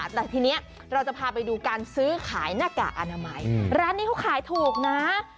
แต่ทีนี้เราจะพาไปดูการซื้อขายหน้ากากอนามัยร้านนี้เขาขายถูกนะ